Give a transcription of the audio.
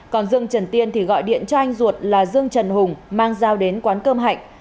còn dương trần tiên thì gọi điện cho anh ruột là dương trần hùng mang dao đến quán cơm hạnh